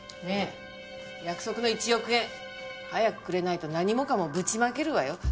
ねえ約束の１億円早くくれないと何もかもぶちまけるわよ。